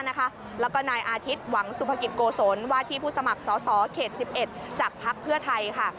และนายอาทิตย์หวังสุภกิิปเก๋โกศลวาทีผู้สมัครสสเคศ๑๑จากพลเพื้อไทย